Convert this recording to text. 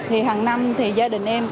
hằng năm gia đình em